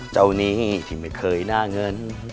เจ้านี้ที่ไม่เคยหน้าเงิน